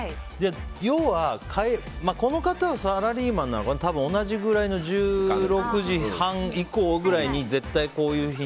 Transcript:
要は、この方はサラリーマンなのかな多分、同じくらいの１６時半以降くらいに絶対、こういう。